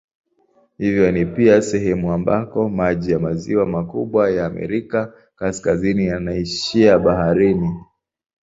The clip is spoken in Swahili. Hivyo ni pia sehemu ambako maji ya maziwa makubwa ya Amerika Kaskazini yanaishia baharini.